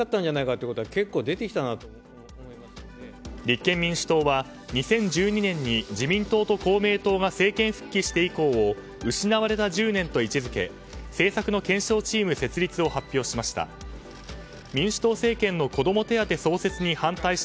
立憲民主党は２０１７年に自民党と公明党が政権復帰した以降失われた１０年と位置づけ政策の検証チーム設立を発表しました。